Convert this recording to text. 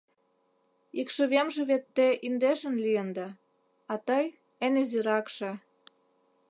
Икшывемже вет те индешын лийында, а тый — эн изиракше.